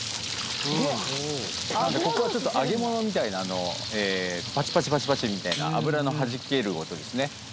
ここはちょっと揚げ物みたいなパチパチパチパチみたいな油のはじける音ですね